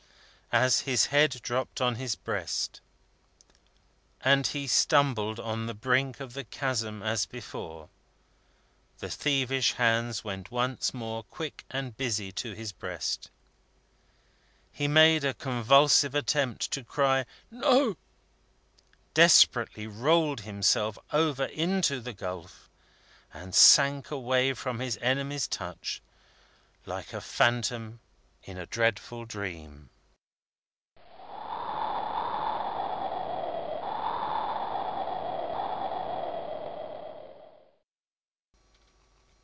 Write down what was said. As his head dropped on his breast, and he stumbled on the brink of the chasm as before, the thievish hands went once more, quick and busy, to his breast. He made a convulsive attempt to cry "No!" desperately rolled himself over into the gulf; and sank away from his enemy's touch, like a phantom in a dreadful dream.